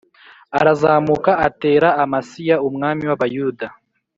arazamuka atera Amasiya umwami w Abayuda